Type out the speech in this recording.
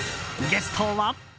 ゲストは。